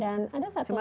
dan ada satu hal lagi